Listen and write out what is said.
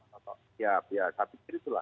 pak toto ya tapi